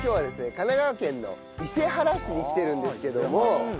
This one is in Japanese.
神奈川県の伊勢原市に来てるんですけども。